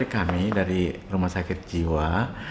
kami dari rumah sakit jiwa